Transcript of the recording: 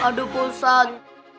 aduh pak ustadz